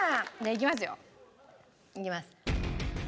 いきます。